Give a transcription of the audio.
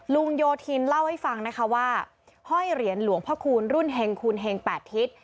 โยธินเล่าให้ฟังนะคะว่าห้อยเหรียญหลวงพ่อคูณรุ่นเห็งคูณเฮง๘ทิศ